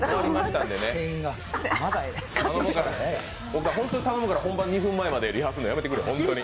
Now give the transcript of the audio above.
僕はホンマに頼むから、本番２分前までリハするのやめてくれ。